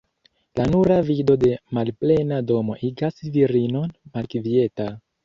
La nura vido de malplena domo igas virinon malkvieta.